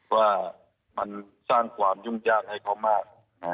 ว่ามันสร้างความยุ่งยากให้เขามาก